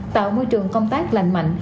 tạo môi trường công tác lành mạnh